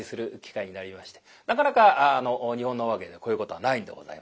なかなか「日本の話芸」でこういうことはないんでございます。